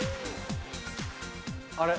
あれ？